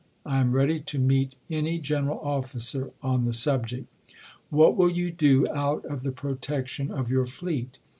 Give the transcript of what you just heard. I am ready to meet any general officer on the subject. What will you do out of the protection of your fleet